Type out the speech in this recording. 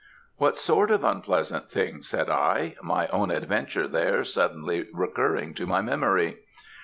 "'What sort of unpleasant things?' said I, my own adventure there suddenly recurring to my memory.